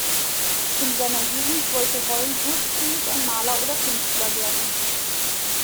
In seiner Jugend wollte Holm ursprünglich ein Maler oder Künstler werden.